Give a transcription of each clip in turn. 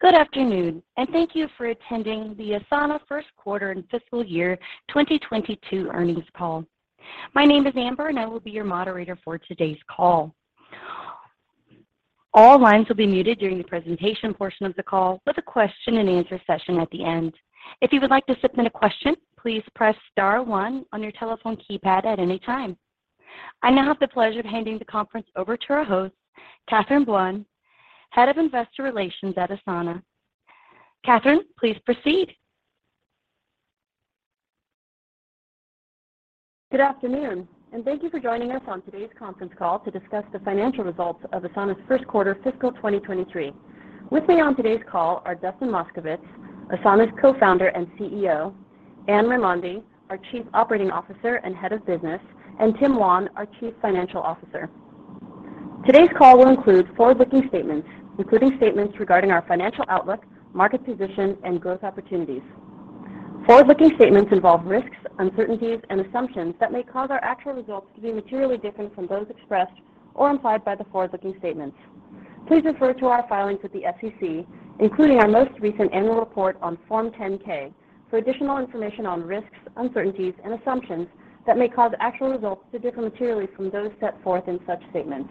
Good afternoon, and thank you for attending the Asana first quarter and fiscal year 2022 earnings call. My name is Amber, and I will be your moderator for today's call. All lines will be muted during the presentation portion of the call with a question and answer session at the end. If you would like to submit a question, please press star one on your telephone keypad at any time. I now have the pleasure of handing the conference over to our host, Catherine Buan, Head of Investor Relations at Asana. Catherine, please proceed. Good afternoon, and thank you for joining us on today's conference call to discuss the financial results of Asana's first quarter fiscal 2023. With me on today's call are Dustin Moskovitz, Asana's Co-founder and CEO, Anne Raimondi, our Chief Operating Officer and Head of Business, and Tim Wan, our Chief Financial Officer. Today's call will include forward-looking statements, including statements regarding our financial outlook, market position, and growth opportunities. Forward-looking statements involve risks, uncertainties and assumptions that may cause our actual results to be materially different from those expressed or implied by the forward-looking statements. Please refer to our filings with the SEC, including our most recent annual report on Form 10-K for additional information on risks, uncertainties, and assumptions that may cause actual results to differ materially from those set forth in such statements.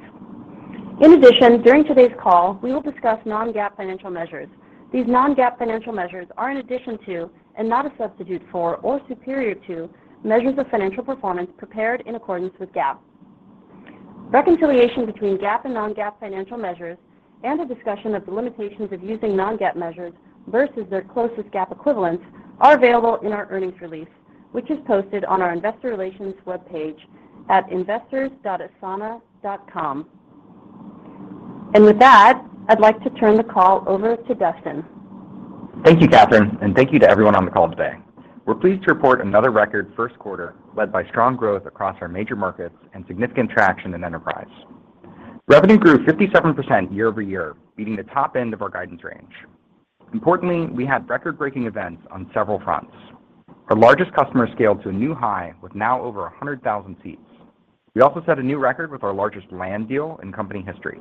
In addition, during today's call, we will discuss non-GAAP financial measures. These non-GAAP financial measures are in addition to and not a substitute for or superior to measures of financial performance prepared in accordance with GAAP. Reconciliation between GAAP and non-GAAP financial measures and a discussion of the limitations of using non-GAAP measures versus their closest GAAP equivalents are available in our earnings release, which is posted on our investor relations webpage at investors.asana.com. With that, I'd like to turn the call over to Dustin. Thank you, Catherine Buan, and thank you to everyone on the call today. We're pleased to report another record first quarter led by strong growth across our major markets and significant traction in enterprise. Revenue grew 57% year-over-year, beating the top end of our guidance range. Importantly, we had record-breaking events on several fronts. Our largest customer scaled to a new high with now over 100,000 seats. We also set a new record with our largest land deal in company history.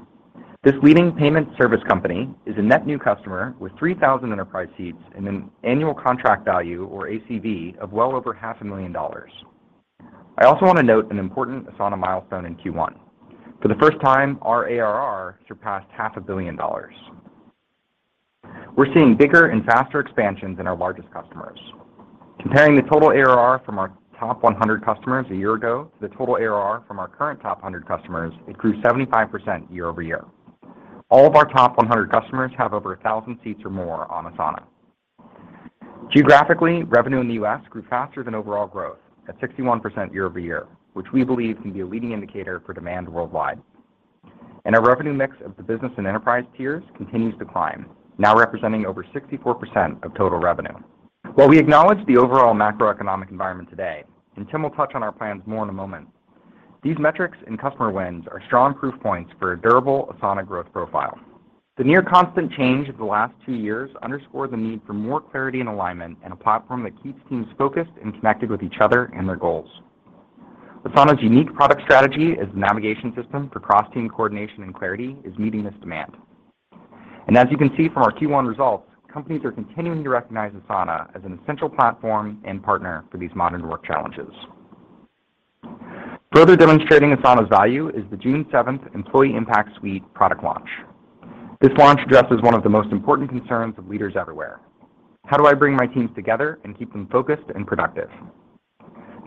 This leading payment service company is a Net New Customer with 3,000 Enterprise Seats and an Annual Contract Value or ACV of well over half a million dollars. I also want to note an important Asana milestone in Q1. For the first time, our ARR surpassed half a billion dollars. We're seeing bigger and faster expansions in our largest customers. Comparing the total ARR from our top 100 customers a year ago to the total ARR from our current top 100 customers, it grew 75% year-over-year. All of our top 100 customers have over 1,000 seats or more on Asana. Geographically, revenue in the U.S. grew faster than overall growth at 61% year-over-year, which we believe can be a leading indicator for demand worldwide. Our revenue mix of the business and enterprise tiers continues to climb, now representing over 64% of total revenue. While we acknowledge the overall macroeconomic environment today, and Tim will touch on our plans more in a moment, these metrics and customer wins are strong proof points for a durable Asana growth profile. The near constant change of the last two years underscore the need for more clarity and alignment in a platform that keeps teams focused and connected with each other and their goals. Asana's unique product strategy as a navigation system for cross-team coordination and clarity is meeting this demand. As you can see from our Q1 results, companies are continuing to recognize Asana as an essential platform and partner for these modern work challenges. Further demonstrating Asana's value is the June seventh employee impact suite product launch. This launch addresses one of the most important concerns of leaders everywhere. How do I bring my teams together and keep them focused and productive?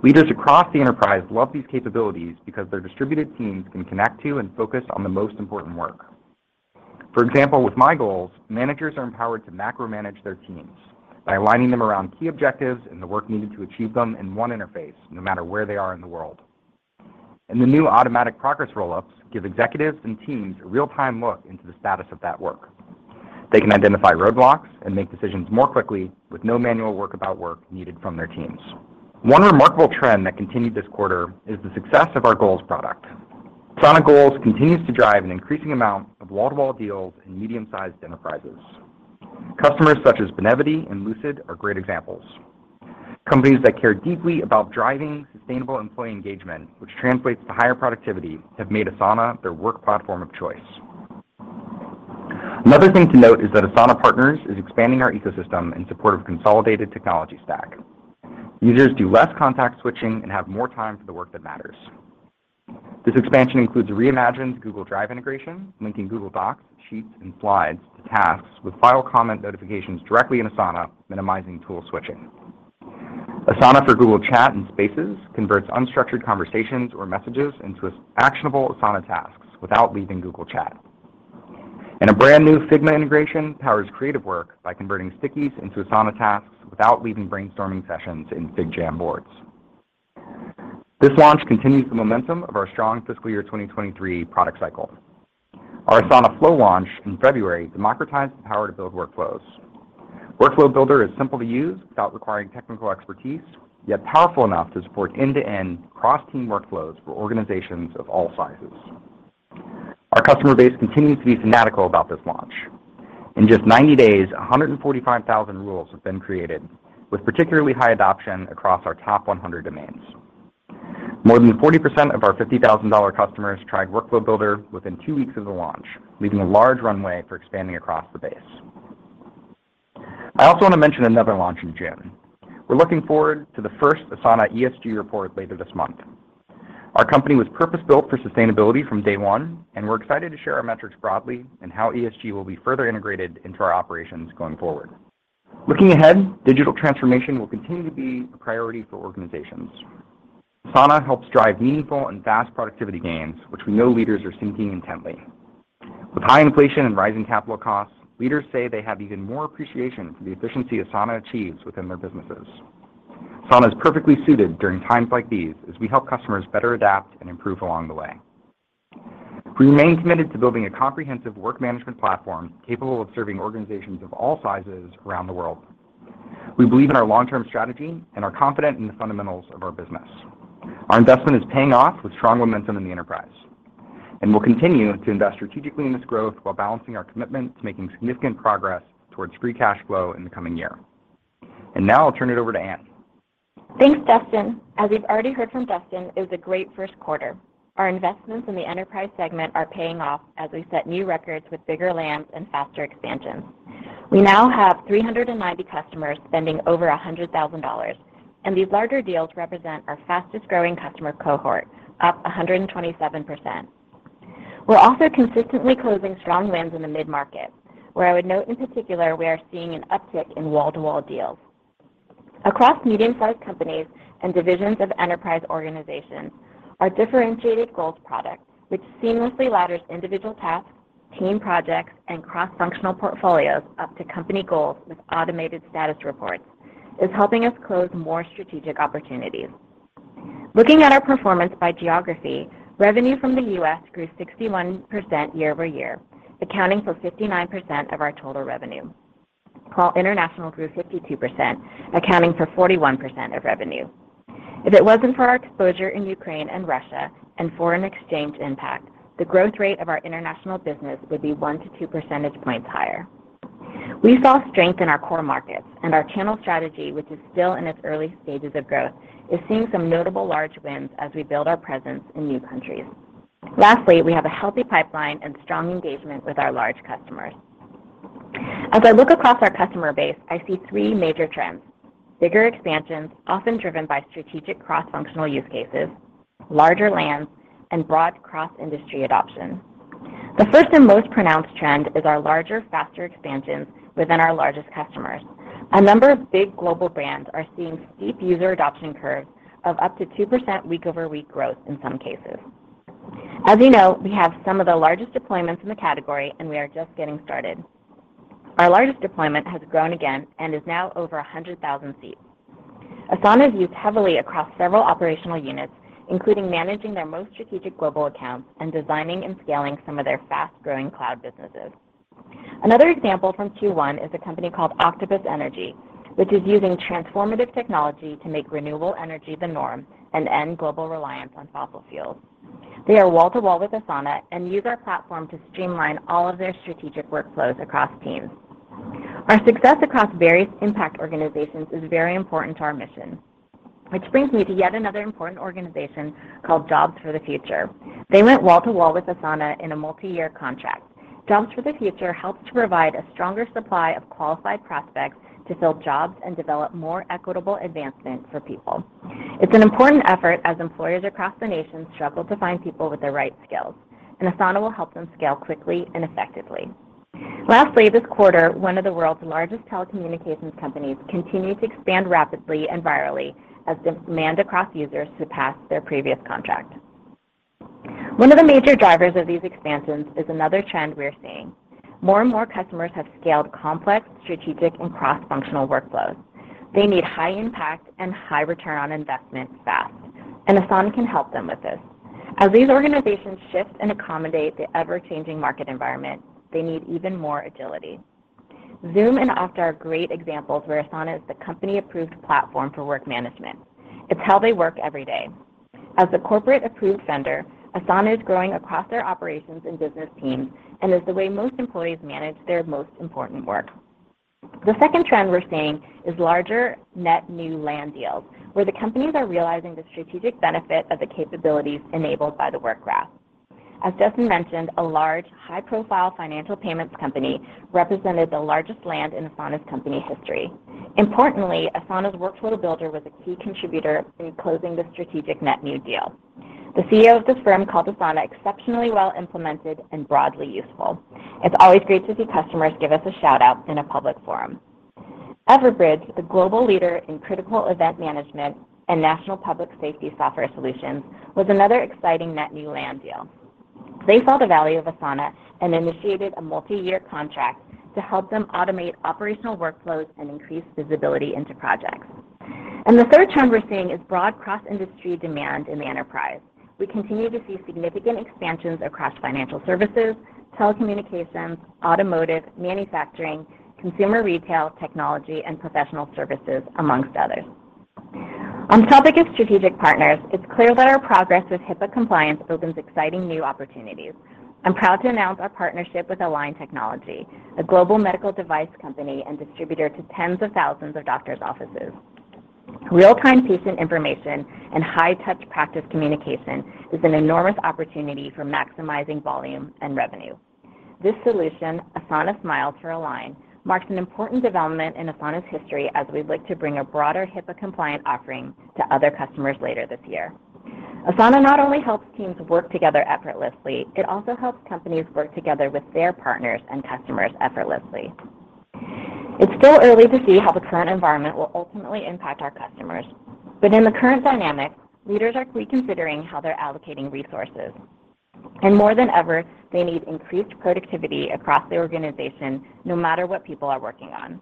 Leaders across the enterprise love these capabilities because their distributed teams can connect to and focus on the most important work. For example, with My Goals, managers are empowered to macro-manage their teams by aligning them around key objectives and the work needed to achieve them in one interface, no matter where they are in the world. The new automatic progress roll-ups give executives and teams a real-time look into the status of that work. They can identify roadblocks and make decisions more quickly with no manual work about work needed from their teams. One remarkable trend that continued this quarter is the success of our Goals product. Asana Goals continues to drive an increasing amount of wall-to-wall deals in medium-sized enterprises. Customers such as Benevity and Lucid are great examples. Companies that care deeply about driving sustainable employee engagement, which translates to higher productivity, have made Asana their work platform of choice. Another thing to note is that Asana Partners is expanding our ecosystem in support of consolidated technology stack. Users do less context switching and have more time for the work that matters. This expansion includes reimagined Google Drive integration, linking Google Docs, Sheets, and Slides to tasks with file comment notifications directly in Asana, minimizing tool switching. Asana for Google Chat and Spaces converts unstructured conversations or messages into actionable Asana tasks without leaving Google Chat. A brand new Figma integration powers creative work by converting stickies into Asana tasks without leaving brainstorming sessions in FigJam boards. This launch continues the momentum of our strong fiscal year 2023 product cycle. Our Asana Flow launch in February democratized the power to build workflows. Workflow Builder is simple to use without requiring technical expertise, yet powerful enough to support end-to-end cross-team workflows for organizations of all sizes. Our customer base continues to be fanatical about this launch. In just 90 days, 145,000 rules have been created with particularly high adoption across our top 100 domains. More than 40% of our $50,000 customers tried Workflow Builder within two weeks of the launch, leaving a large runway for expanding across the base. I also want to mention another launch in June. We're looking forward to the first Asana ESG report later this month. Our company was purpose-built for sustainability from day one, and we're excited to share our metrics broadly and how ESG will be further integrated into our operations going forward. Looking ahead, digital transformation will continue to be a priority for organizations. Asana helps drive meaningful and fast productivity gains, which we know leaders are seeking intently. With high inflation and rising capital costs, leaders say they have even more appreciation for the efficiency Asana achieves within their businesses. Asana is perfectly suited during times like these as we help customers better adapt and improve along the way. We remain committed to building a comprehensive work management platform capable of serving organizations of all sizes around the world. We believe in our long-term strategy and are confident in the fundamentals of our business. Our investment is paying off with strong momentum in the enterprise, and we'll continue to invest strategically in this growth while balancing our commitment to making significant progress towards free cash flow in the coming year. Now I'll turn it over to Anne. Thanks, Dustin. As you've already heard from Dustin, it was a great first quarter. Our investments in the enterprise segment are paying off as we set new records with bigger lands and faster expansions. We now have 390 customers spending over $100,000, and these larger deals represent our fastest-growing customer cohort, up 127%. We're also consistently closing strong wins in the mid-market, where I would note in particular we are seeing an uptick in wall-to-wall deals. Across medium-sized companies and divisions of enterprise organizations, our differentiated goals product, which seamlessly ladders individual tasks, team projects, and cross-functional portfolios up to company goals with automated status reports, is helping us close more strategic opportunities. Looking at our performance by geography, revenue from the U.S. grew 61% year-over-year, accounting for 59% of our total revenue, while international grew 52%, accounting for 41% of revenue. If it wasn't for our exposure in Ukraine and Russia and foreign exchange impact, the growth rate of our international business would be 1-2 percentage points higher. We saw strength in our core markets, and our channel strategy, which is still in its early stages of growth, is seeing some notable large wins as we build our presence in new countries. Lastly, we have a healthy pipeline and strong engagement with our large customers. As I look across our customer base, I see three major trends. Bigger expansions, often driven by strategic cross-functional use cases, larger lands, and broad cross-industry adoption. The first and most pronounced trend is our larger, faster expansions within our largest customers. A number of big global brands are seeing steep user adoption curves of up to 2% week-over-week growth in some cases. As you know, we have some of the largest deployments in the category, and we are just getting started. Our largest deployment has grown again and is now over 100,000 seats. Asana is used heavily across several operational units, including managing their most strategic global accounts and designing and scaling some of their fast-growing cloud businesses. Another example from Q1 is a company called Octopus Energy, which is using transformative technology to make renewable energy the norm and end global reliance on fossil fuels. They are wall-to-wall with Asana and use our platform to streamline all of their strategic workflows across teams. Our success across various impact organizations is very important to our mission, which brings me to yet another important organization called Jobs for the Future. They went wall to wall with Asana in a multi-year contract. Jobs for the Future helps to provide a stronger supply of qualified prospects to fill jobs and develop more equitable advancement for people. It's an important effort as employers across the nation struggle to find people with the right skills, and Asana will help them scale quickly and effectively. Lastly, this quarter, one of the world's largest telecommunications companies continued to expand rapidly and virally as demand across users surpassed their previous contract. One of the major drivers of these expansions is another trend we're seeing. More and more customers have scaled complex, strategic, and cross-functional workflows. They need high impact and high return on investment fast, and Asana can help them with this. As these organizations shift and accommodate the ever-changing market environment, they need even more agility. Zoom and Okta are great examples where Asana is the company-approved platform for work management. It's how they work every day. As the corporate-approved vendor, Asana is growing across their operations and business teams and is the way most employees manage their most important work. The second trend we're seeing is larger net new land deals where the companies are realizing the strategic benefit of the capabilities enabled by the Work Graph. As Dustin mentioned, a large, high-profile financial payments company represented the largest land in Asana's company history. Importantly, Asana's Workflow Builder was a key contributor in closing the strategic net new deal. The CEO of this firm called Asana exceptionally well-implemented and broadly useful. It's always great to see customers give us a shout-out in a public forum. Everbridge, the global leader in critical event management and national public safety software solutions, was another exciting net new land deal. They saw the value of Asana and initiated a multi-year contract to help them automate operational workflows and increase visibility into projects. The third trend we're seeing is broad cross-industry demand in the enterprise. We continue to see significant expansions across financial services, telecommunications, automotive, manufacturing, consumer retail, technology, and professional services, among others. On the topic of strategic partners, it's clear that our progress with HIPAA compliance opens exciting new opportunities. I'm proud to announce our partnership with Align Technology, a global medical device company and distributor to tens of thousands of doctors' offices. Real-time patient information and high-touch practice communication is an enormous opportunity for maximizing volume and revenue. This solution, Asana Smile for Align Technology, marks an important development in Asana's history as we look to bring a broader HIPAA-compliant offering to other customers later this year. Asana not only helps teams work together effortlessly, it also helps companies work together with their partners and customers effortlessly. It's still early to see how the current environment will ultimately impact our customers. In the current dynamic, leaders are reconsidering how they're allocating resources. More than ever, they need increased productivity across the organization, no matter what people are working on.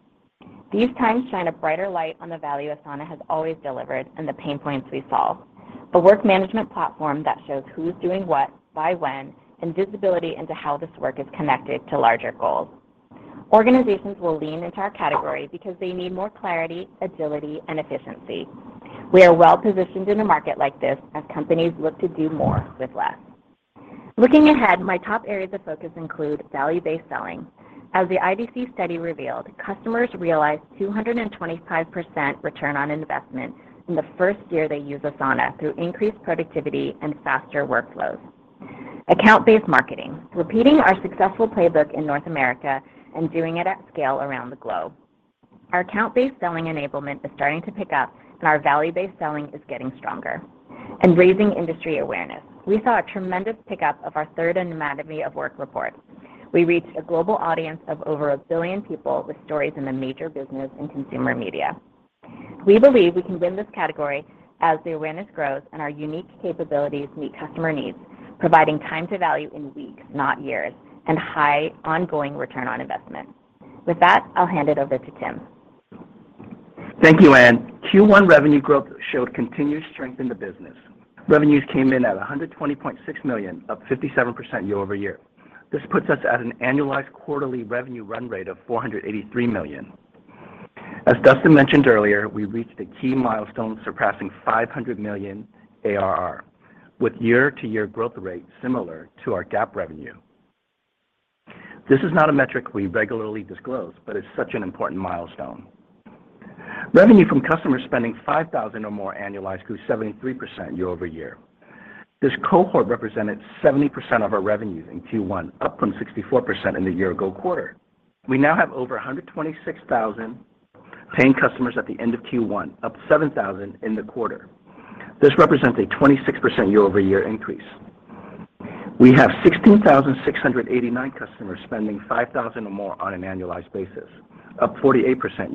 These times shine a brighter light on the value Asana has always delivered and the pain points we solve. A work management platform that shows who's doing what, by when, and visibility into how this work is connected to larger goals. Organizations will lean into our category because they need more clarity, agility, and efficiency. We are well-positioned in a market like this as companies look to do more with less. Looking ahead, my top areas of focus include value-based selling. As the IDC study revealed, customers realize 225% return on investment in the first year they use Asana through increased productivity and faster workflows. Account-based marketing, repeating our successful playbook in North America and doing it at scale around the globe. Our account-based selling enablement is starting to pick up, and our value-based selling is getting stronger. Raising industry awareness. We saw a tremendous pickup of our third Anatomy of Work report. We reached a global audience of over a billion people with stories in the major business and consumer media. We believe we can win this category as the awareness grows and our unique capabilities meet customer needs, providing time to value in weeks, not years, and high ongoing return on investment. With that, I'll hand it over to Tim. Thank you, Anne. Q1 revenue growth showed continued strength in the business. Revenues came in at $120.6 million, up 57% year-over-year. This puts us at an annualized quarterly revenue run rate of $483 million. As Dustin mentioned earlier, we reached a key milestone surpassing $500 million ARR, with year-to-year growth rate similar to our GAAP revenue. This is not a metric we regularly disclose, but it's such an important milestone. Revenue from customers spending $5,000 or more annualized grew 73% year-over-year. This cohort represented 70% of our revenues in Q1, up from 64% in the year-ago quarter. We now have over 126,000 paying customers at the end of Q1, up 7,000 in the quarter. This represents a 26% year-over-year increase. We have 16,689 customers spending $5,000 or more on an annualized basis, up 48%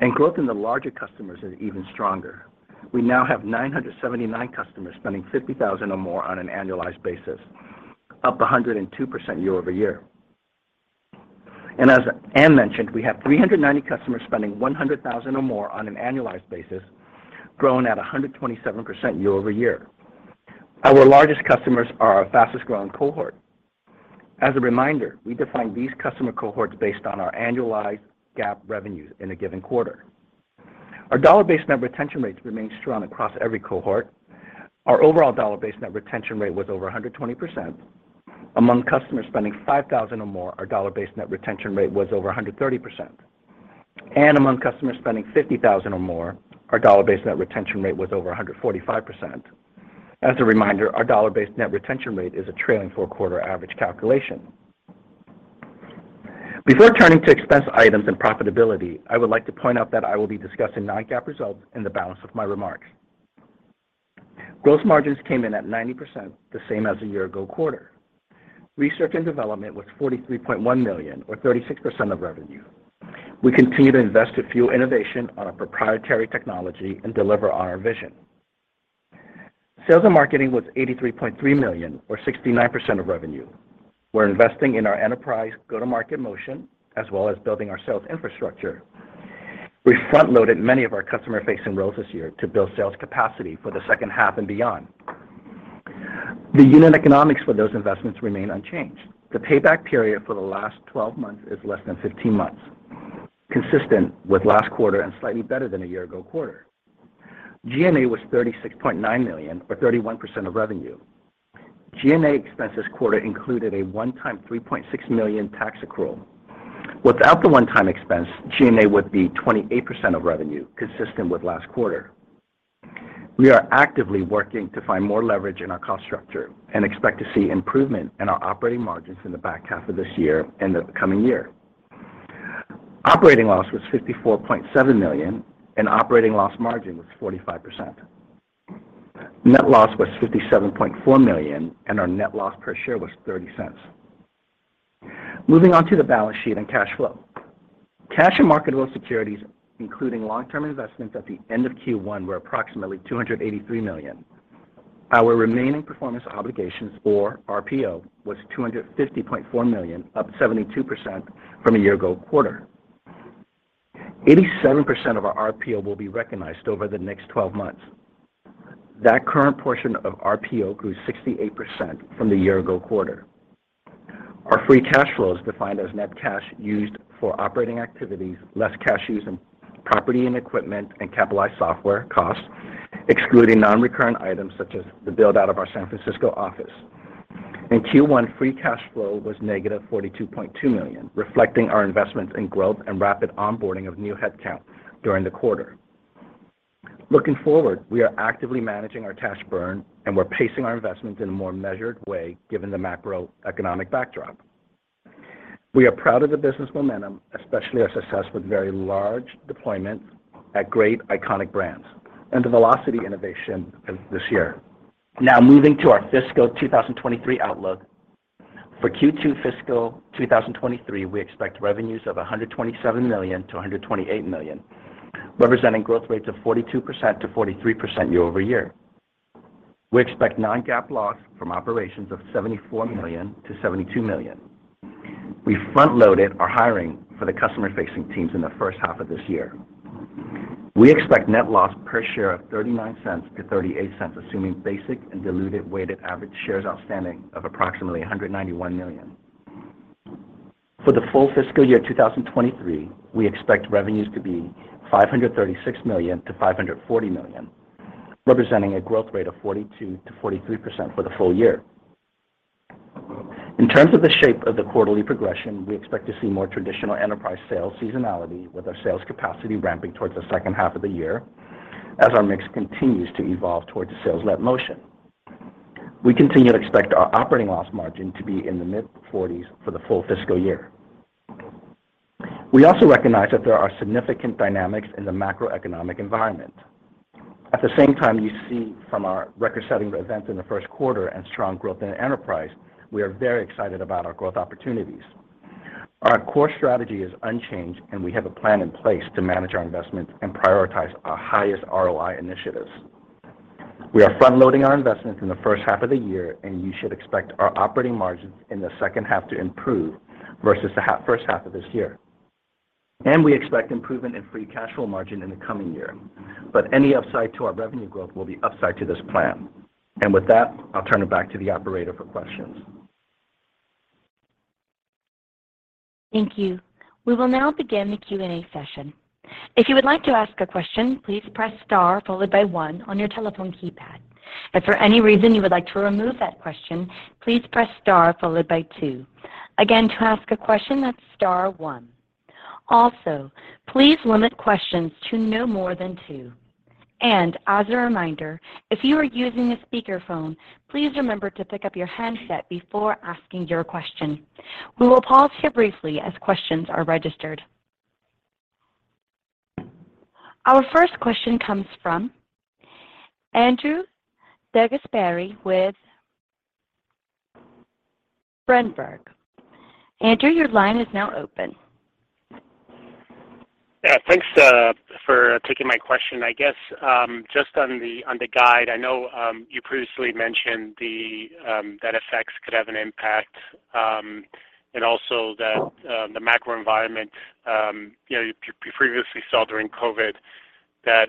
year-over-year. Growth in the larger customers is even stronger. We now have 979 customers spending $50,000 or more on an annualized basis, up 102% year-over-year. As Anne mentioned, we have 390 customers spending $100,000 or more on an annualized basis, growing at 127% year-over-year. Our largest customers are our fastest-growing cohort. As a reminder, we define these customer cohorts based on our annualized GAAP revenues in a given quarter. Our dollar-based net retention rates remain strong across every cohort. Our overall dollar-based net retention rate was over 120%. Among customers spending $5,000 or more, our dollar-based net retention rate was over 130%. Among customers spending $50,000 or more, our dollar-based net retention rate was over 145%. As a reminder, our dollar-based net retention rate is a trailing four-quarter average calculation. Before turning to expense items and profitability, I would like to point out that I will be discussing non-GAAP results in the balance of my remarks. Gross margins came in at 90%, the same as the year-ago quarter. Research and Development was $43.1 million, or 36% of revenue. We continue to invest to fuel innovation on our proprietary technology and deliver on our vision. Sales and Marketing was $83.3 million, or 69% of revenue. We're investing in our enterprise go-to-market motion, as well as building our sales infrastructure. We front-loaded many of our customer-facing roles this year to build sales capacity for the second half and beyond. The unit economics for those investments remain unchanged. The payback period for the last 12 months is less than 15 months, consistent with last quarter and slightly better than a year-ago quarter. G&A was $36.9 million, or 31% of revenue. G&A expense this quarter included a one-time $3.6 million tax accrual. Without the one-time expense, G&A would be 28% of revenue, consistent with last quarter. We are actively working to find more leverage in our cost structure and expect to see improvement in our operating margins in the back half of this year and the coming year. Operating loss was $54.7 million, and operating loss margin was 45%. Net loss was $57.4 million, and our net loss per share was $0.30. Moving on to the balance sheet and cash flow. Cash and marketable securities, including long-term investments at the end of Q1, were approximately $283 million. Our remaining performance obligations, or RPO, was $250.4 million, up 72% from a year-ago quarter. 87% of our RPO will be recognized over the next twelve months. That current portion of RPO grew 68% from the year-ago quarter. Our free cash flow is defined as net cash used for operating activities, less cash used in property and equipment and capitalized software costs, excluding non-recurrent items such as the build-out of our San Francisco office. In Q1, free cash flow was -$42.2 million, reflecting our investments in growth and rapid onboarding of new headcount during the quarter. Looking forward, we are actively managing our cash burn, and we're pacing our investments in a more measured way given the macroeconomic backdrop. We are proud of the business momentum, especially our success with very large deployment at great iconic brands and the velocity innovation of this year. Now moving to our fiscal 2023 outlook. For Q2 fiscal 2023, we expect revenues of $127 million-$128 million, representing growth rates of 42%-43% year-over-year. We expect non-GAAP loss from operations of $74 million-$72 million. We front-loaded our hiring for the customer-facing teams in the first half of this year. We expect net loss per share of $0.39-$0.38, assuming basic and diluted weighted average shares outstanding of approximately 191 million. For the full fiscal year 2023, we expect revenues to be $536 million-$540 million, representing a growth rate of 42%-43% for the full year. In terms of the shape of the quarterly progression, we expect to see more traditional enterprise sales seasonality with our sales capacity ramping towards the second half of the year as our mix continues to evolve towards a sales-led motion. We continue to expect our operating loss margin to be in the mid-40s% for the full fiscal year. We also recognize that there are significant dynamics in the macroeconomic environment. At the same time, you see from our record-setting events in the first quarter and strong growth in the enterprise, we are very excited about our growth opportunities. Our core strategy is unchanged, and we have a plan in place to manage our investments and prioritize our highest ROI initiatives. We are front-loading our investments in the first half of the year, and you should expect our operating margins in the second half to improve versus the first half of this year. We expect improvement in free cash flow margin in the coming year. Any upside to our revenue growth will be upside to this plan. With that, I'll turn it back to the operator for questions. Thank you. We will now begin the Q&A session. If you would like to ask a question, please press star followed by one on your telephone keypad. If for any reason you would like to remove that question, please press star followed by two. Again, to ask a question, that's star one. Also, please limit questions to no more than two. As a reminder, if you are using a speakerphone, please remember to pick up your handset before asking your question. We will pause here briefly as questions are registered. Our first question comes from Andrew DeGasperi with Berenberg. Andrew, your line is now open. Yeah. Thanks for taking my question. I guess just on the guide. I know you previously mentioned that FX effects could have an impact and also that. Oh. The macro environment, you know, you previously saw during COVID that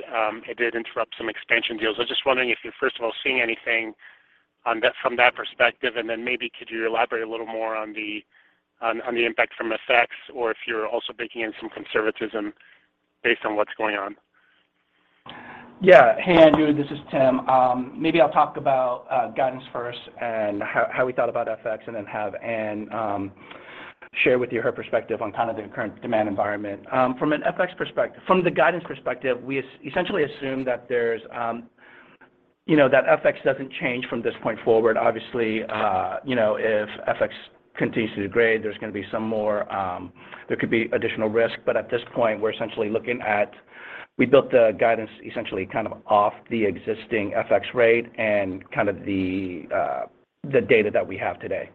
it did interrupt some expansion deals. I was just wondering if you're first of all seeing anything on that from that perspective, and then maybe could you elaborate a little more on the impact from effects or if you're also baking in some conservatism based on what's going on. Yeah. Hey, Andrew. This is Tim. Maybe I'll talk about guidance first and how we thought about FX and then have Anne share with you her perspective on kind of the current demand environment. From the guidance perspective, we essentially assume that, you know, FX doesn't change from this point forward. Obviously, you know, if FX continues to degrade, there's gonna be some more, there could be additional risk. At this point, we're essentially looking at. We built the guidance essentially kind of off the existing FX rate and kind of the data that we have today.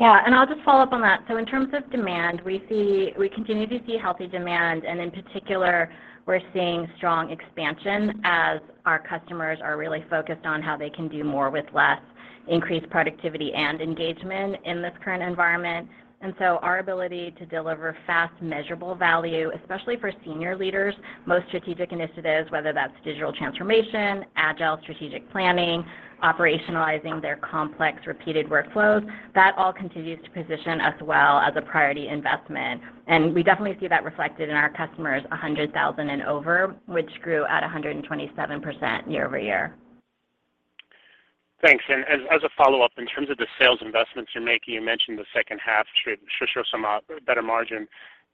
Yeah. I'll just follow up on that. In terms of demand, we see, we continue to see healthy demand, and in particular, we're seeing strong expansion as our customers are really focused on how they can do more with less, increase productivity and engagement in this current environment. Our ability to deliver fast measurable value, especially for senior leaders, most strategic initiatives, whether that's digital transformation, agile strategic planning, operationalizing their complex repeated workflows, that all continues to position us well as a priority investment. We definitely see that reflected in our customers 100,000 and over, which grew at 127% year-over-year. Thanks. As a follow-up, in terms of the sales investments you're making, you mentioned the second half should show some better margin.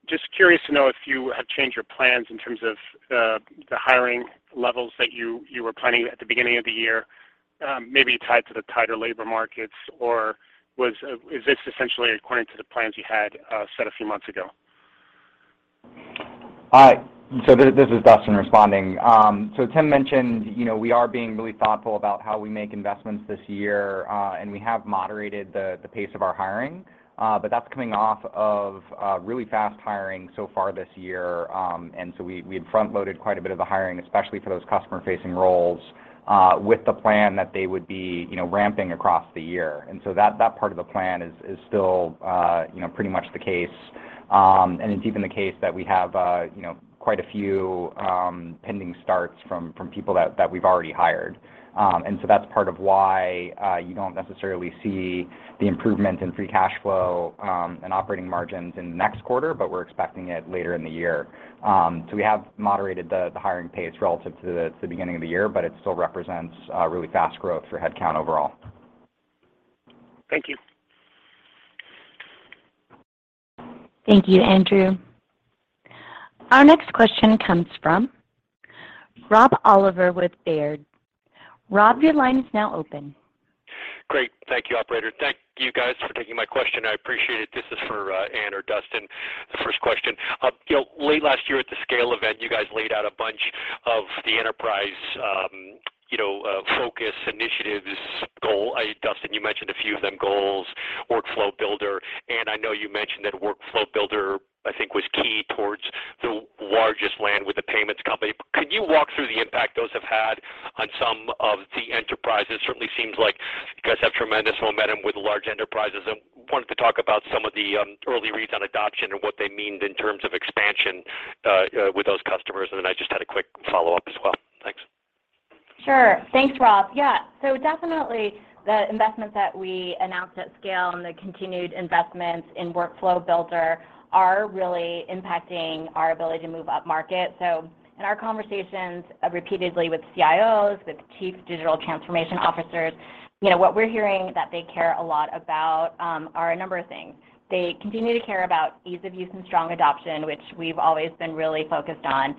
Just curious to know if you have changed your plans in terms of the hiring levels that you were planning at the beginning of the year, maybe tied to the tighter labor markets, or is this essentially according to the plans you had set a few months ago? All right. This is Dustin responding. Tim mentioned, you know, we are being really thoughtful about how we make investments this year, and we have moderated the pace of our hiring, but that's coming off of really fast hiring so far this year. We had front-loaded quite a bit of the hiring, especially for those customer-facing roles, with the plan that they would be, you know, ramping across the year. That part of the plan is still, you know, pretty much the case. It's even the case that we have, you know, quite a few pending starts from people that we've already hired. That's part of why you don't necessarily see the improvement in free cash flow and operating margins in the next quarter, but we're expecting it later in the year. We have moderated the hiring pace relative to the beginning of the year, but it still represents really fast growth for headcount overall. Thank you. Thank you, Andrew. Our next question comes from Rob Oliver with Baird. Rob, your line is now open. Great. Thank you, operator. Thank you guys for taking my question. I appreciate it. This is for Anne or Dustin, the first question. You know, late last year at the scale event, you guys laid out a bunch of the enterprise focus initiatives, goals. Dustin, you mentioned a few of them, goals, Workflow Builder. Anne, I know you mentioned that Workflow Builder, I think, was key towards the largest land with the payments company. Could you walk through the impact those have had on some of the enterprises? Certainly seems like you guys have tremendous momentum with large enterprises, and wanted to talk about some of the early reads on adoption and what they mean in terms of expansion with those customers. Then I just had a quick follow-up as well. Thanks. Sure. Thanks, Rob. Yeah. Definitely the investments that we announced at scale and the continued investments in Workflow Builder are really impacting our ability to move upmarket. In our conversations repeatedly with CIOs, with chief digital transformation officers, you know, what we're hearing that they care a lot about are a number of things. They continue to care about ease of use and strong adoption, which we've always been really focused on.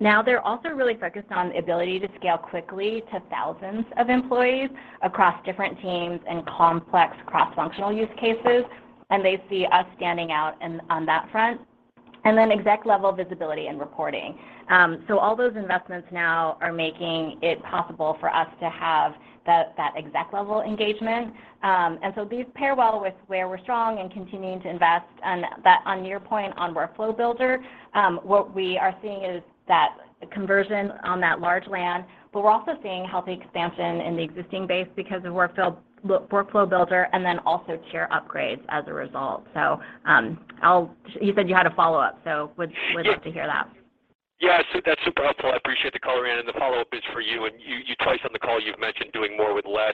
Now, they're also really focused on the ability to scale quickly to thousands of employees across different teams and complex cross-functional use cases, and they see us standing out on that front. Exec-level visibility and reporting. All those investments now are making it possible for us to have that exec-level engagement. These pair well with where we're strong and continuing to invest on that. On your point on Workflow Builder, what we are seeing is that conversion on that large land, but we're also seeing healthy expansion in the existing base because of Workflow Builder and then also tier upgrades as a result. I'll. You said you had a follow-up, so would love to hear that. Yeah. That's super helpful. I appreciate the color, Anne, and the follow-up is for you. You twice on the call, you've mentioned doing more with less.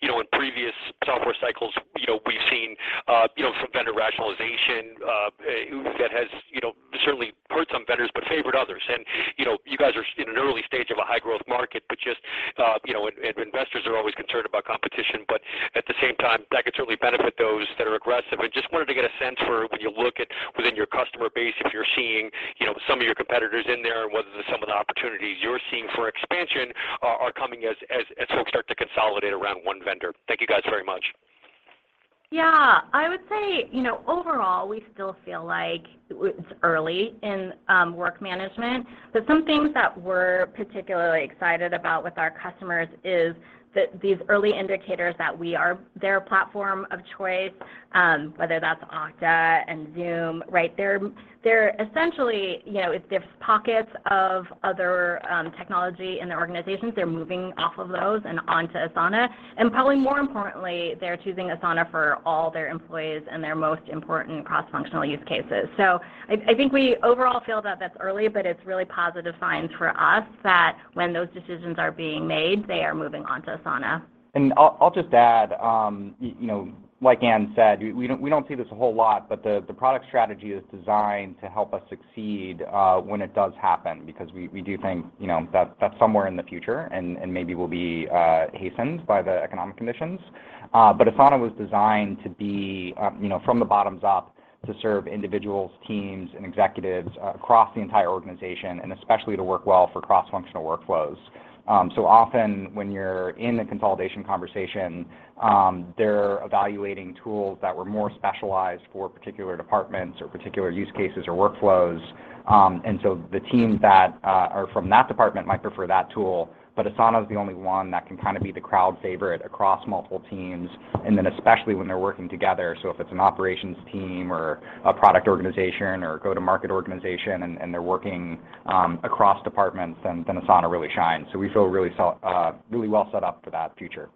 You know, in previous software cycles, you know, we've seen, you know, some vendor rationalization, that has, you know, certainly hurt some vendors but favored others. You know, you guys are in an early stage of a high-growth market, but just, you know, and investors are always concerned about competition, but at the same time, that could certainly benefit those that are aggressive. I just wanted to get a sense for when you look at within your customer base, if you're seeing, you know, some of your competitors in there, whether some of the opportunities you're seeing for expansion are coming as folks start to consolidate around one vendor. Thank you guys very much. Yeah. I would say, you know, overall, we still feel like it's early in work management, but some things that we're particularly excited about with our customers is that these early indicators that we are their platform of choice, whether that's Okta and Zoom, right? They're essentially, you know, if there's pockets of other technology in their organizations, they're moving off of those and onto Asana. Probably more importantly, they're choosing Asana for all their employees and their most important cross-functional use cases. I think we overall feel that that's early, but it's really positive signs for us that when those decisions are being made, they are moving on to Asana. I'll just add, you know, like Anne said, we don't see this a whole lot, but the product strategy is designed to help us succeed when it does happen because we do think, you know, that that's somewhere in the future and maybe will be hastened by the economic conditions. But Asana was designed to be, you know, from the bottom up to serve individuals, teams, and executives across the entire organization, and especially to work well for cross-functional workflows. Often when you're in the consolidation conversation, they're evaluating tools that were more specialized for particular departments or particular use cases or workflows. The teams that are from that department might prefer that tool. But Asana is the only one that can kind of be the crowd favorite across multiple teams. Especially when they're working together, so if it's an operations team or a product organization or go-to-market organization and they're working across departments, then Asana really shines. We feel really well set up for that future.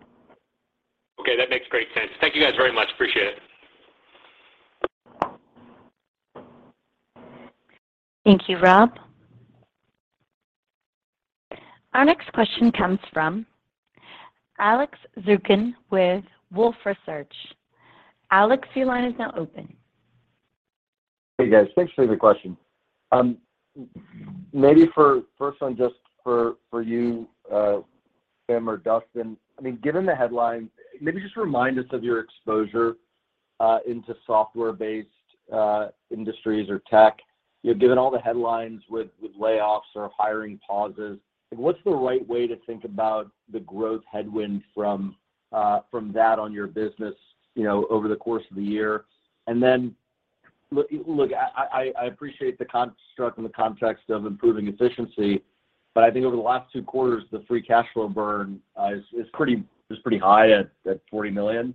Okay. That makes great sense. Thank you guys very much. Appreciate it. Thank you, Rob. Our next question comes from Alex Zukin with Wolfe Research. Alex, your line is now open. Hey, guys. Thanks for the question. Maybe first one just for you, Tim or Dustin. I mean, given the headline, maybe just remind us of your exposure into software-based industries or tech. You know, given all the headlines with layoffs or hiring pauses, like, what's the right way to think about the growth headwind from that on your business, you know, over the course of the year? Look, I appreciate the construct and the context of improving efficiency, but I think over the last two quarters, the free cash flow burn is pretty high at $40 million.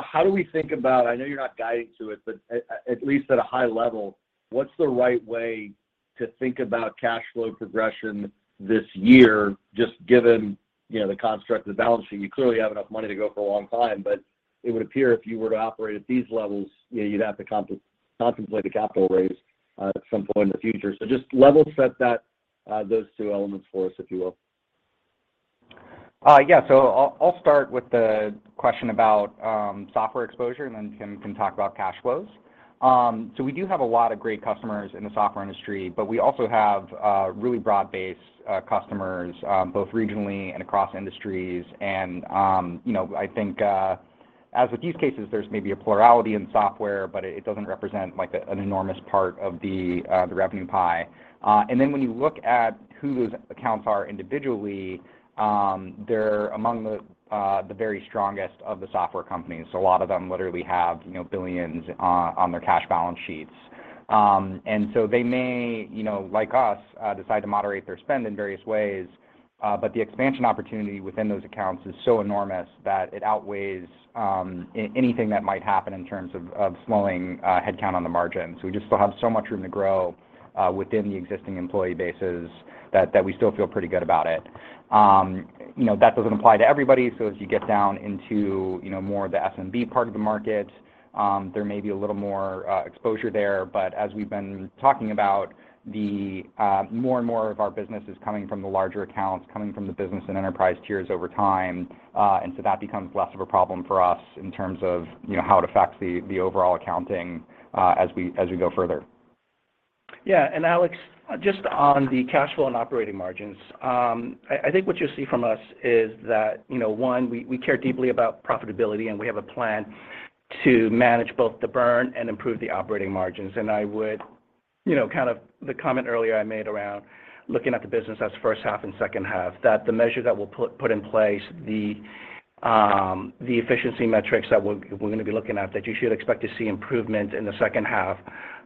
How do we think about, I know you're not guiding to it, but at least at a high level, what's the right way to think about cash flow progression this year, just given, you know, the construct of the balance sheet? You clearly have enough money to go for a long time, but it would appear if you were to operate at these levels, you know, you'd have to contemplate a capital raise at some point in the future. Just level set that, those two elements for us, if you will. Yeah. I'll start with the question about software exposure and then Tim can talk about cash flows. We do have a lot of great customers in the software industry, but we also have really broad-based customers both regionally and across industries. You know, I think as with use cases, there's maybe a plurality in software, but it doesn't represent like an enormous part of the revenue pie. When you look at who those accounts are individually, they're among the very strongest of the software companies. A lot of them literally have, you know, billions on their cash balance sheets. They may, you know, like us, decide to moderate their spend in various ways, but the expansion opportunity within those accounts is so enormous that it outweighs anything that might happen in terms of slowing headcount on the margin. We just still have so much room to grow within the existing employee bases that we still feel pretty good about it. You know, that doesn't apply to everybody. As you get down into more of the SMB part of the market, there may be a little more exposure there. As we've been talking about, the more and more of our business is coming from the larger accounts, coming from the business and enterprise tiers over time, and so that becomes less of a problem for us in terms of, you know, how it affects the overall accounting, as we go further. Yeah. Alex, just on the cash flow and operating margins, I think what you'll see from us is that, you know, one, we care deeply about profitability, and we have a plan to manage both the burn and improve the operating margins. I would, you know, kind of the comment earlier I made around looking at the business as first half and second half, that the measure that we'll put in place, the efficiency metrics that we're gonna be looking at, that you should expect to see improvement in the second half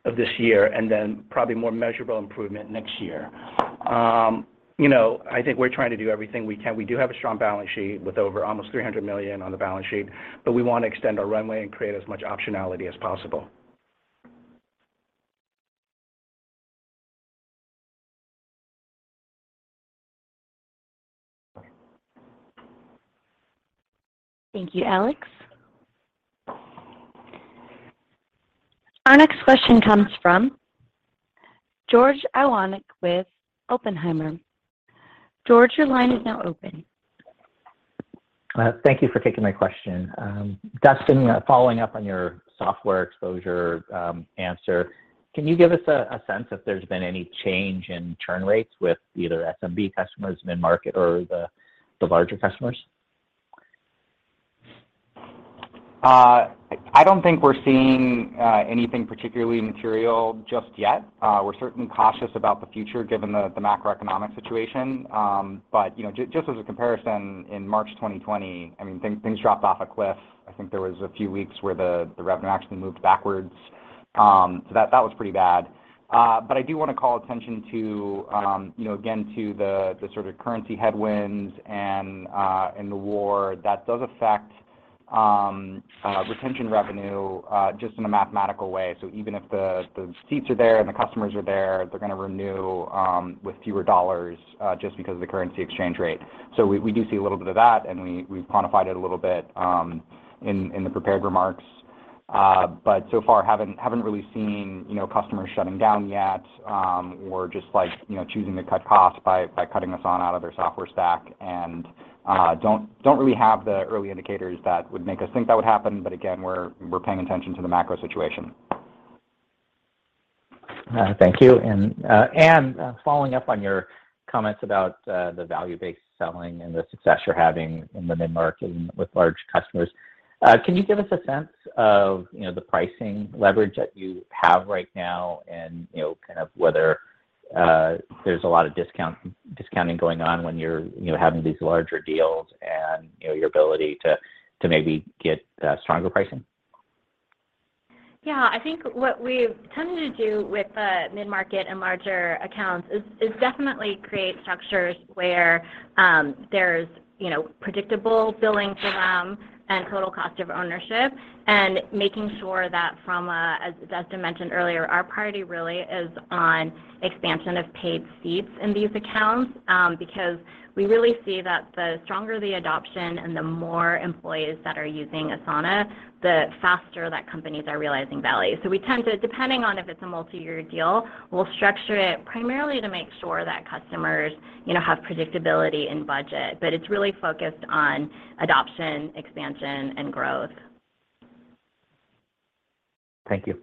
of this year and then probably more measurable improvement next year. You know, I think we're trying to do everything we can. We do have a strong balance sheet with over almost $300 million on the balance sheet, but we want to extend our runway and create as much optionality as possible. Thank you, Alex. Our next question comes from George Iwanyc with Oppenheimer. George, your line is now open. Thank you for taking my question. Dustin, following up on your software exposure, can you give us a sense if there's been any change in churn rates with either SMB customers, mid-market, or the larger customers? I don't think we're seeing anything particularly material just yet. We're certainly cautious about the future given the macroeconomic situation. You know, just as a comparison, in March 2020, I mean, things dropped off a cliff. I think there was a few weeks where the revenue actually moved backwards. That was pretty bad. I do wanna call attention to, you know, again, to the sort of currency headwinds and the war. That does affect retention revenue just in a mathematical way. Even if the seats are there and the customers are there, they're gonna renew with fewer dollars just because of the currency exchange rate. We do see a little bit of that, and we've quantified it a little bit in the prepared remarks. So far, haven't really seen, you know, customers shutting down yet, or just like, you know, choosing to cut costs by cutting Asana out of their software stack and don't really have the early indicators that would make us think that would happen. Again, we're paying attention to the macro situation. Thank you. Anne, following up on your comments about the value-based selling and the success you're having in the mid-market and with large customers, can you give us a sense of, you know, the pricing leverage that you have right now and, you know, kind of whether there's a lot of discounting going on when you're, you know, having these larger deals and, you know, your ability to to maybe get stronger pricing? Yeah. I think what we've tended to do with the mid-market and larger accounts is definitely create structures where there's, you know, predictable billing for them and total cost of ownership and making sure that, as Dustin mentioned earlier, our priority really is on expansion of paid seats in these accounts, because we really see that the stronger the adoption and the more employees that are using Asana, the faster that companies are realizing value. We tend to, depending on if it's a multiyear deal, structure it primarily to make sure that customers, you know, have predictability in budget. It's really focused on adoption, expansion, and growth. Thank you.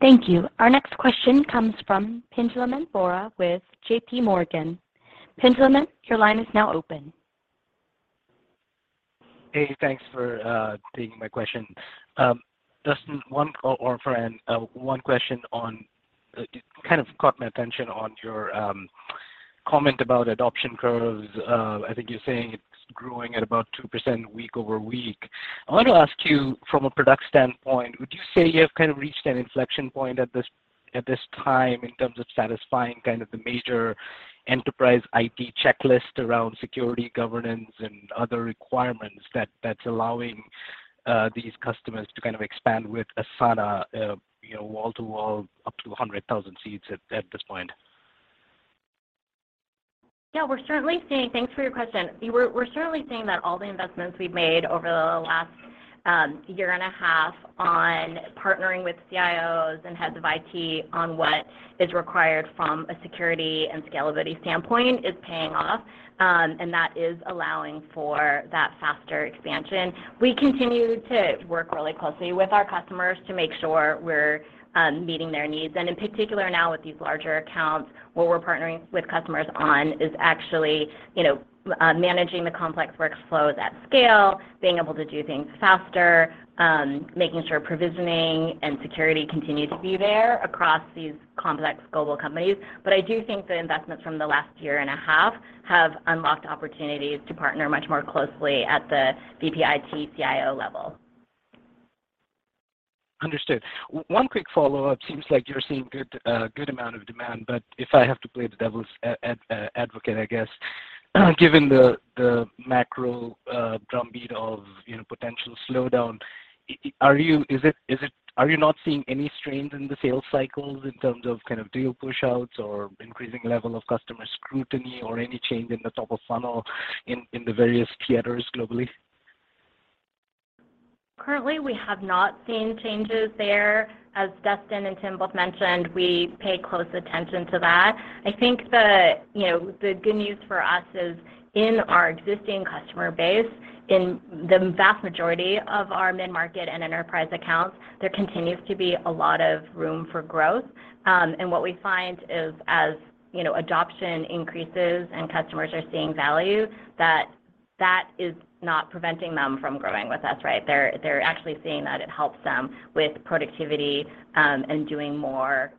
Thank you. Our next question comes from Pinjalim Bora with J.P. Morgan. Pinjalim, your line is now open. Hey, thanks for taking my question. Dustin, one—or for Anne, one question on, kind of caught my attention on your comment about adoption curves. I think you're saying it's growing at about 2% week over week. I want to ask you from a product standpoint, would you say you have kind of reached an inflection point at this time in terms of satisfying kind of the major enterprise IT checklist around security, governance, and other requirements that's allowing these customers to kind of expand with Asana, you know, wall to wall up to 100,000 seats at this point? Thanks for your question. We're certainly seeing that all the investments we've made over the last year and a half on partnering with CIOs and heads of IT on what is required from a security and scalability standpoint is paying off, and that is allowing for that faster expansion. We continue to work really closely with our customers to make sure we're meeting their needs. In particular now with these larger accounts, what we're partnering with customers on is managing the complex workflows at scale, being able to do things faster, making sure provisioning and security continue to be there across these complex global companies. I do think the investments from the last year and a half have unlocked opportunities to partner much more closely at the VP IT/CIO level. Understood. One quick follow-up. Seems like you're seeing good amount of demand, but if I have to play the devil's advocate, I guess, given the macro drumbeat of, you know, potential slowdown, are you not seeing any strains in the sales cycles in terms of kind of deal push-outs or increasing level of customer scrutiny or any change in the top of funnel in the various theaters globally? Currently, we have not seen changes there. As Dustin and Tim both mentioned, we pay close attention to that. I think the, you know, the good news for us is in our existing customer base, in the vast majority of our mid-market and enterprise accounts, there continues to be a lot of room for growth. What we find is as, you know, adoption increases and customers are seeing value, that is not preventing them from growing with us, right? They're actually seeing that it helps them with productivity, and doing more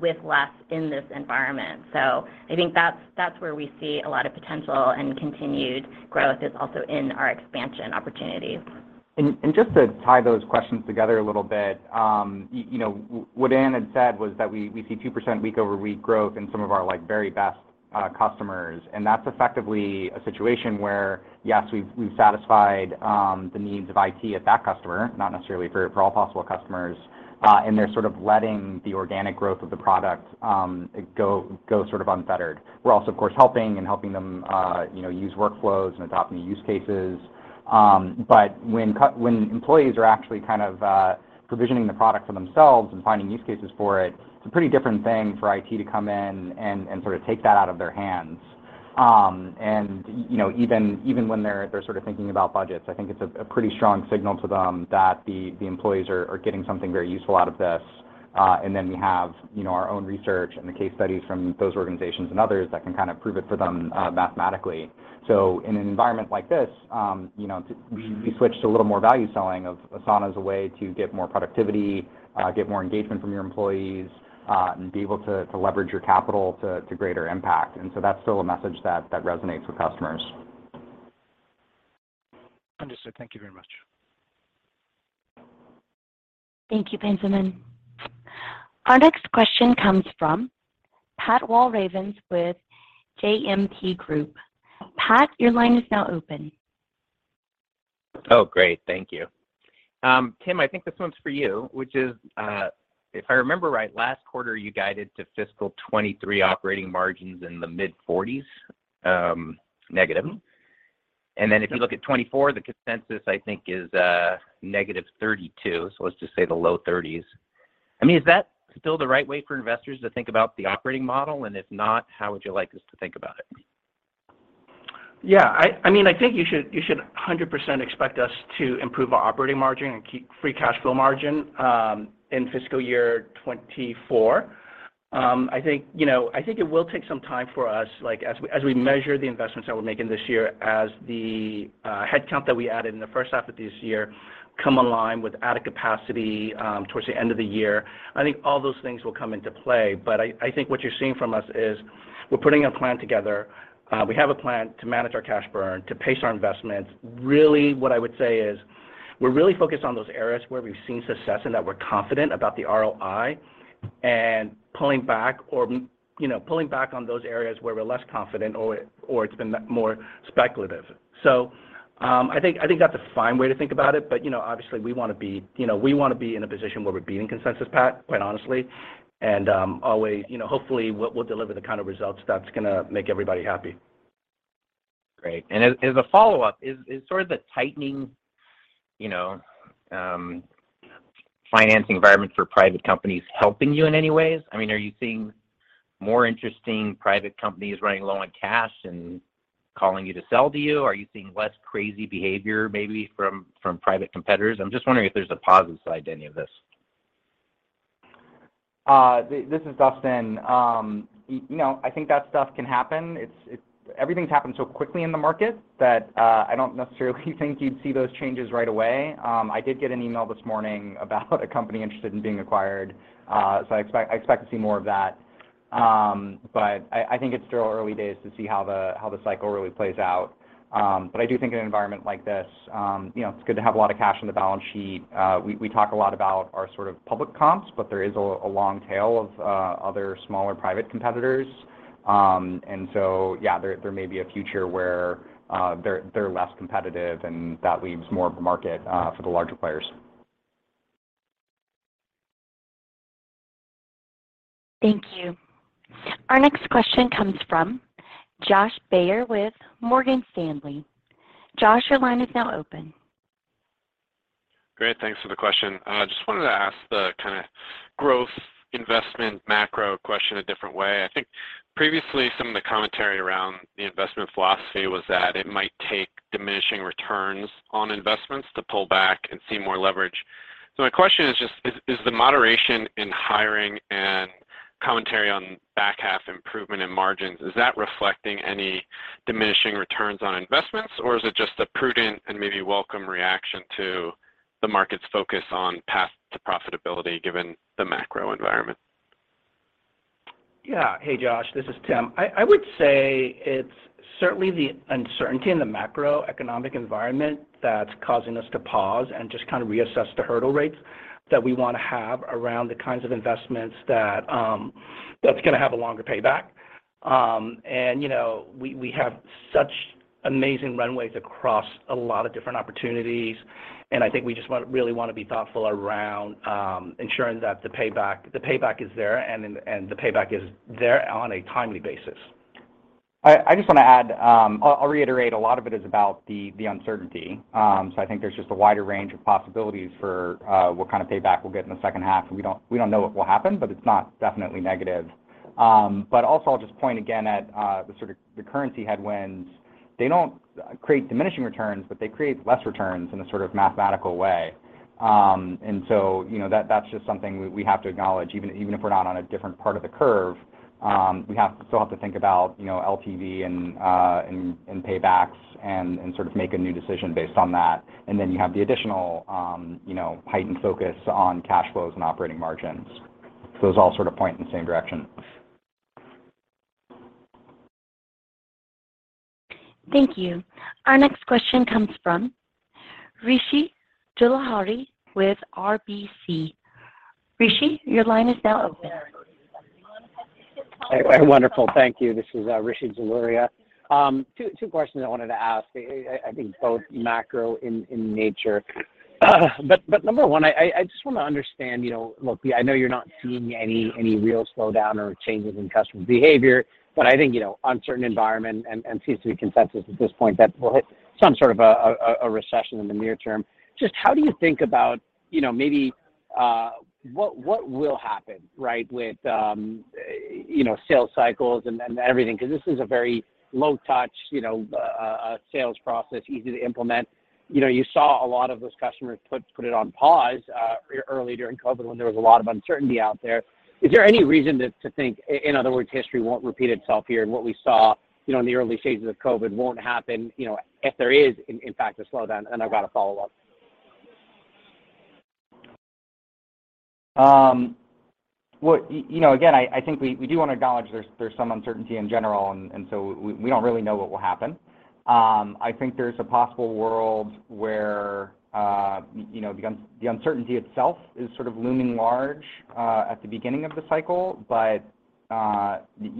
with less in this environment. I think that's where we see a lot of potential, and continued growth is also in our expansion opportunities. Just to tie those questions together a little bit, you know, what Anne had said was that we see 2% week-over-week growth in some of our, like, very best customers. That's effectively a situation where, yes, we've satisfied the needs of IT at that customer, not necessarily for all possible customers, and they're sort of letting the organic growth of the product go sort of unfettered. We're also, of course, helping them, you know, use workflows and adopt new use cases. When employees are actually kind of provisioning the product for themselves and finding use cases for it's a pretty different thing for IT to come in and sort of take that out of their hands. Even when they're sort of thinking about budgets, I think it's a pretty strong signal to them that the employees are getting something very useful out of this. Then we have you know our own research and the case studies from those organizations and others that can kind of prove it for them mathematically. In an environment like this, you know, we switch to a little more value selling of Asana as a way to get more productivity, get more engagement from your employees, and be able to leverage your capital to greater impact. That's still a message that resonates with customers. Understood. Thank you very much. Thank you, Pinjalim. Our next question comes from Patrick Walravens with JMP Group. Pat, your line is now open. Oh, great. Thank you. Tim, I think this one's for you, which is, if I remember right, last quarter you guided to fiscal 2023 operating margins in the mid-40s, negative. Then if you look at 2024, the consensus I think is -32%, so let's just say the low 30s%. I mean, is that still the right way for investors to think about the operating model? If not, how would you like us to think about it? Yeah. I mean, I think you should 100% expect us to improve our operating margin and keep free cash flow margin in fiscal year 2024. I think, you know, I think it will take some time for us, like, as we measure the investments that we're making this year, as the headcount that we added in the first half of this year come online with added capacity towards the end of the year. I think all those things will come into play. I think what you're seeing from us is we're putting a plan together. We have a plan to manage our cash burn, to pace our investments. Really what I would say is we're really focused on those areas where we've seen success and that we're confident about the ROI, and pulling back or, you know, pulling back on those areas where we're less confident or it's been more speculative. I think that's a fine way to think about it. You know, obviously, we wanna be, you know, we wanna be in a position where we're beating consensus, Pat, quite honestly. Always, you know, hopefully we'll deliver the kind of results that's gonna make everybody happy. Great. As a follow-up, is sort of the tightening, you know, financing environment for private companies helping you in any ways? I mean, are you seeing more interesting private companies running low on cash and calling you to sell to you? Are you seeing less crazy behavior maybe from private competitors? I'm just wondering if there's a positive side to any of this. This is Dustin. You know, I think that stuff can happen. Everything's happened so quickly in the market that I don't necessarily think you'd see those changes right away. I did get an email this morning about a company interested in being acquired, so I expect to see more of that. I think it's still early days to see how the cycle really plays out. I do think in an environment like this, you know, it's good to have a lot of cash on the balance sheet. We talk a lot about our sort of public comps, but there is a long tail of other smaller private competitors. Yeah, there may be a future where they're less competitive and that leaves more of a market for the larger players. Thank you. Our next question comes from Josh Baer with Morgan Stanley. Josh, your line is now open. Great, thanks for the question. I just wanted to ask the kinda growth investment macro question a different way. I think previously some of the commentary around the investment philosophy was that it might take diminishing returns on investments to pull back and see more leverage. My question is just, is the moderation in hiring and commentary on back half improvement in margins, is that reflecting any diminishing returns on investments, or is it just a prudent and maybe welcome reaction to the market's focus on path to profitability given the macro environment? Yeah. Hey, Josh. This is Tim. I would say it's certainly the uncertainty in the macroeconomic environment that's causing us to pause and just kind of reassess the hurdle rates that we wanna have around the kinds of investments that have a longer payback. You know, we have such amazing runways across a lot of different opportunities. I think we just really wanna be thoughtful around ensuring that the payback is there on a timely basis. I just wanna add. I'll reiterate a lot of it is about the uncertainty. I think there's just a wider range of possibilities for what kind of payback we'll get in the second half. We don't know what will happen, but it's not definitely negative. I'll just point again at the sort of currency headwinds. They don't create diminishing returns, but they create less returns in a sort of mathematical way. You know, that's just something we have to acknowledge even if we're not on a different part of the curve. We still have to think about, you know, LTV and paybacks and sort of make a new decision based on that. You have the additional, you know, heightened focus on cash flows and operating margins. Those all sort of point in the same direction. Thank you. Our next question comes from Rishi Jaluria with RBC. Rishi, your line is now open. Wonderful. Thank you. This is Rishi Jaluria. Two questions I wanted to ask. I think both macro in nature. Number one, I just wanna understand, you know, look, I know you're not seeing any real slowdown or changes in customer behavior, but I think, you know, uncertain environment and seems to be consensus at this point that we'll hit some sort of a recession in the near term. Just how do you think about, you know, maybe what will happen, right, with, you know, sales cycles and everything? 'Cause this is a very low touch, you know, sales process, easy to implement. You know, you saw a lot of those customers put it on pause early during COVID when there was a lot of uncertainty out there. Is there any reason to think, in other words, history won't repeat itself here, and what we saw, you know, in the early stages of COVID won't happen, you know, if there is in fact a slowdown? I've got a follow-up. You know, again, I think we do wanna acknowledge there's some uncertainty in general, and so we don't really know what will happen. I think there's a possible world where you know, the uncertainty itself is sort of looming large at the beginning of the cycle. You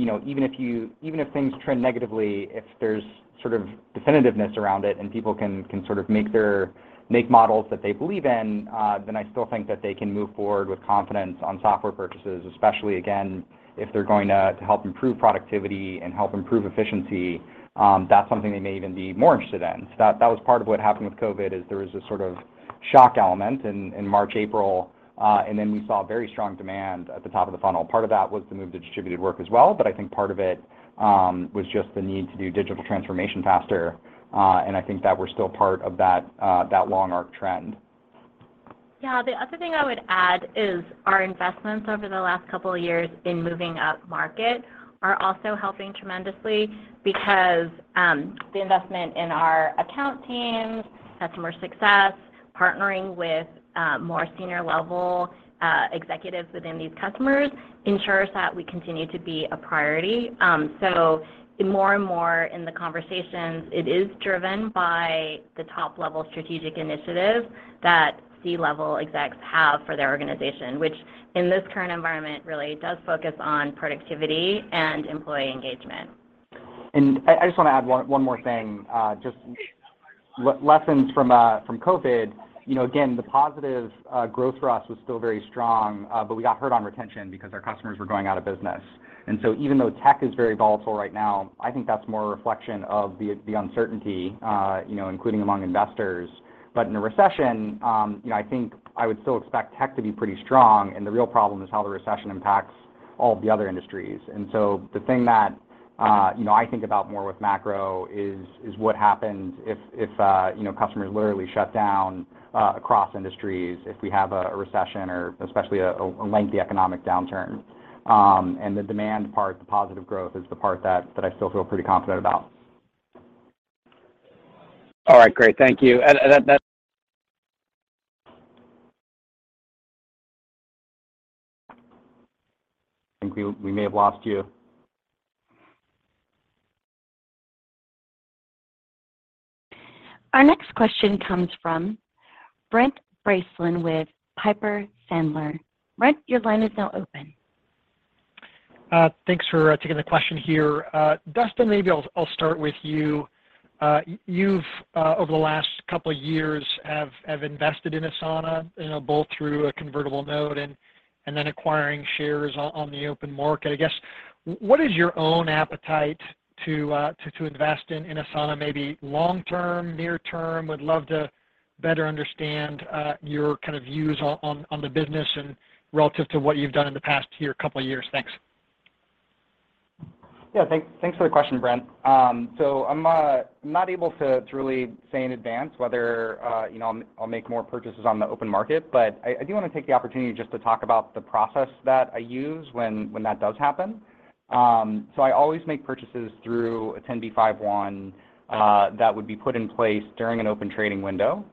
know, even if things trend negatively, if there's sort of definitiveness around it and people can sort of make models that they believe in, then I still think that they can move forward with confidence on software purchases, especially, again, if they're going to help improve productivity and help improve efficiency, that's something they may even be more interested in. That was part of what happened with COVID. There was a sort of shock element in March, April, and then we saw very strong demand at the top of the funnel. Part of that was the move to distributed work as well, but I think part of it was just the need to do digital transformation faster. I think that we're still part of that long arc trend. Yeah. The other thing I would add is our investments over the last couple of years in moving up market are also helping tremendously because the investment in our account teams, customer success, partnering with more senior level executives within these customers ensures that we continue to be a priority. More and more in the conversations, it is driven by the top-level strategic initiative that C-level execs have for their organization, which in this current environment really does focus on productivity and employee engagement. I just wanna add one more thing, just lessons from COVID. You know, again, the positive growth for us was still very strong, but we got hurt on retention because our customers were going out of business. Even though tech is very volatile right now, I think that's more a reflection of the uncertainty, you know, including among investors. In a recession, you know, I think I would still expect tech to be pretty strong, and the real problem is how the recession impacts all of the other industries. The thing that, you know, I think about more with macro is what happens if, you know, customers literally shut down across industries if we have a recession or especially a lengthy economic downturn. The demand part, the positive growth is the part that I still feel pretty confident about. All right, great. Thank you. That. I think we may have lost you. Our next question comes from Brent Bracelin with Piper Sandler. Brent, your line is now open. Thanks for taking the question here. Dustin, maybe I'll start with you. You've over the last couple years have invested in Asana, you know, both through a convertible note and then acquiring shares on the open market. I guess what is your own appetite to invest in Asana maybe long-term, near-term? Would love to better understand your kind of views on the business and relative to what you've done in the past year, couple years. Thanks. Thanks for the question, Brent. I'm not able to really say in advance whether you know I'll make more purchases on the open market. I do wanna take the opportunity just to talk about the process that I use when that does happen. I always make purchases through a 10b5-1 that would be put in place during an open trading window.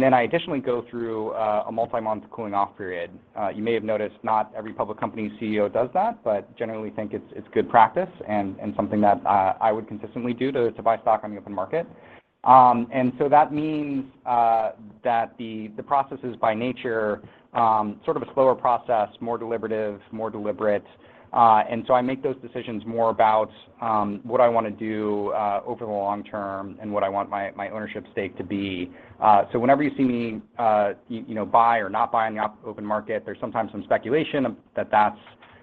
I additionally go through a multi-month cooling off period. You may have noticed not every public company's CEO does that, but generally think it's good practice and something that I would consistently do to buy stock on the open market. That means that the process is, by nature, sort of a slower process, more deliberative, more deliberate. I make those decisions more about what I wanna do over the long term and what I want my ownership stake to be. Whenever you see me you know buy or not buy on the open market, there's sometimes some speculation that that's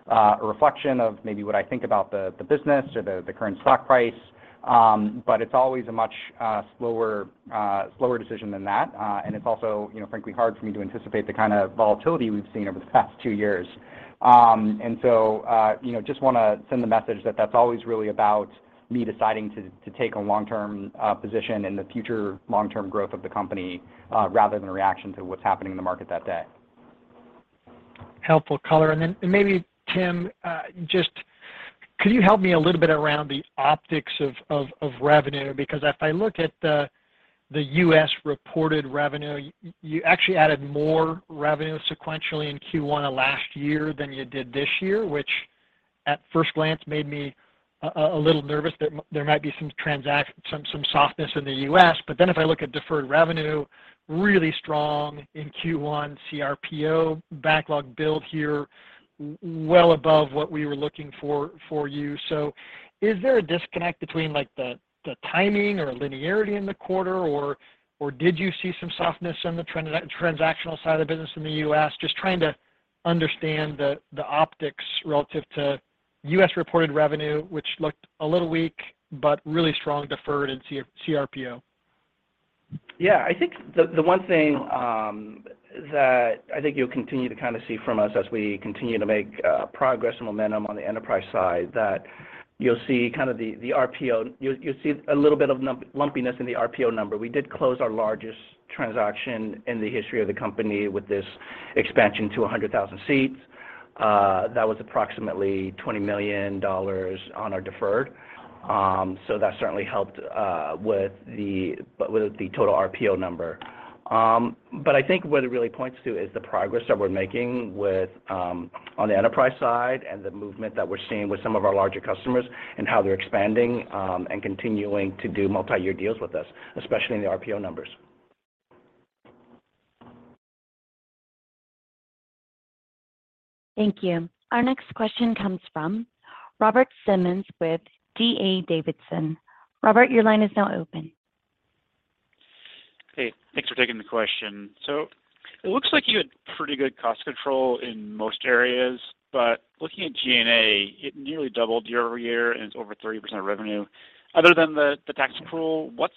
a reflection of maybe what I think about the business or the current stock price. It's always a much slower decision than that. It's also you know frankly hard for me to anticipate the kind of volatility we've seen over the past two years. You know, just wanna send the message that that's always really about me deciding to take a long-term position in the future long-term growth of the company, rather than a reaction to what's happening in the market that day. Helpful color. Maybe, Tim, just could you help me a little bit around the optics of revenue? Because if I look at the U.S. reported revenue, you actually added more revenue sequentially in Q1 of last year than you did this year, which at first glance made me a little nervous that there might be some softness in the U.S. If I look at deferred revenue, really strong in Q1 CRPO backlog build here, well above what we were looking for you. Is there a disconnect between, like, the timing or linearity in the quarter or did you see some softness in the transactional side of the business in the U.S.? Just trying to understand the optics relative to U.S. reported revenue, which looked a little weak, but really strong deferred in CRPO. Yeah. I think the one thing that I think you'll continue to kind of see from us as we continue to make progress and momentum on the enterprise side, that you'll see kind of the RPO, you'll see a little bit of lumpiness in the RPO number. We did close our largest transaction in the history of the company with this expansion to 100,000 seats. That was approximately $20 million on our deferred. That certainly helped with the total RPO number. I think what it really points to is the progress that we're making on the enterprise side and the movement that we're seeing with some of our larger customers, and how they're expanding and continuing to do multi-year deals with us, especially in the RPO numbers. Thank you. Our next question comes from Robert Simmons with D.A. Davidson. Robert, your line is now open. Hey, thanks for taking the question. It looks like you had pretty good cost control in most areas, but looking at G&A, it nearly doubled year-over-year, and it's over 30% of revenue. Other than the tax accrual, what's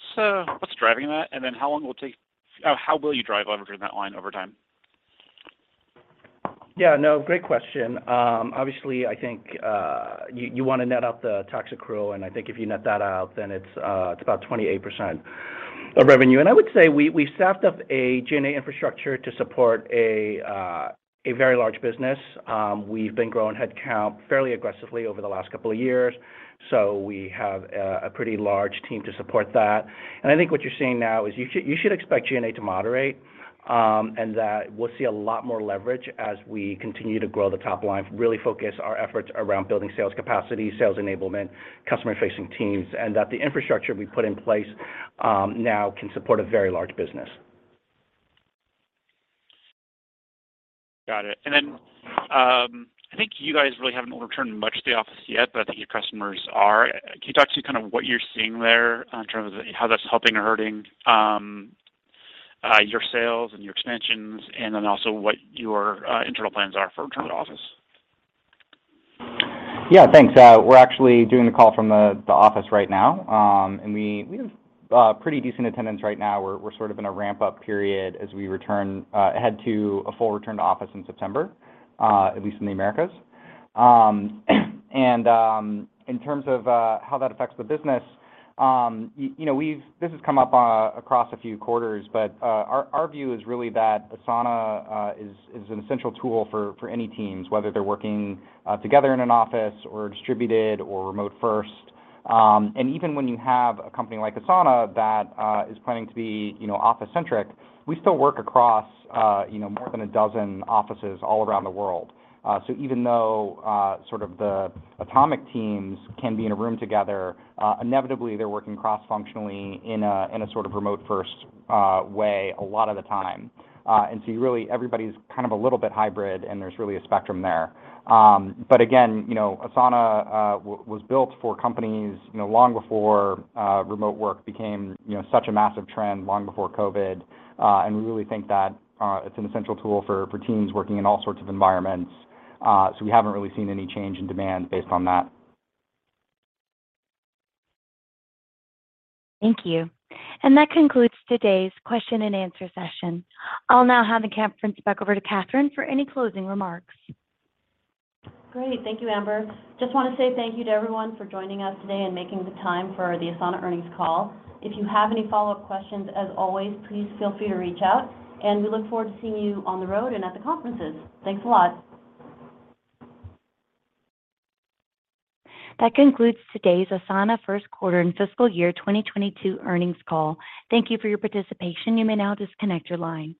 driving that? How will you drive leverage in that line over time? Yeah, no, great question. Obviously, I think you wanna net out the tax accrual, and I think if you net that out, then it's about 28% of revenue. I would say we've staffed up a G&A infrastructure to support a very large business. We've been growing headcount fairly aggressively over the last couple of years, so we have a pretty large team to support that. I think what you're seeing now is you should expect G&A to moderate, and that we'll see a lot more leverage as we continue to grow the top line, really focus our efforts around building sales capacity, sales enablement, customer-facing teams, and that the infrastructure we put in place now can support a very large business. Got it. Then, I think you guys really haven't returned much to the office yet, but I think your customers are. Can you talk to kind of what you're seeing there in terms of how that's helping or hurting your sales and your expansions, and then also what your internal plans are for return to office? Yeah, thanks. We're actually doing the call from the office right now. We have pretty decent attendance right now. We're sort of in a ramp-up period as we head to a full return to office in September, at least in the Americas. In terms of how that affects the business, you know, this has come up across a few quarters, but our view is really that Asana is an essential tool for any teams, whether they're working together in an office or distributed or remote first. Even when you have a company like Asana that is planning to be, you know, office-centric, we still work across, you know, more than a dozen offices all around the world. Even though sort of the atomic teams can be in a room together, inevitably they're working cross-functionally in a sort of remote first way a lot of the time. You really, everybody's kind of a little bit hybrid, and there's really a spectrum there. Again, you know, Asana was built for companies, you know, long before remote work became, you know, such a massive trend, long before COVID. We really think that it's an essential tool for teams working in all sorts of environments. We haven't really seen any change in demand based on that. Thank you. That concludes today's question and answer session. I'll now hand the conference back over to Catherine for any closing remarks. Great. Thank you, Amber. Just wanna say thank you to everyone for joining us today and making the time for the Asana earnings call. If you have any follow-up questions, as always, please feel free to reach out, and we look forward to seeing you on the road and at the conferences. Thanks a lot. That concludes today's Asana first quarter and fiscal year 2022 earnings call. Thank you for your participation. You may now disconnect your line.